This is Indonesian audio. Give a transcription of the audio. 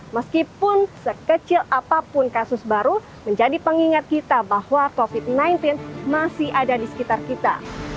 meskipun sekecil apapun kasus baru menjadi pengingat kita bahwa covid sembilan belas masih ada di sekitar kita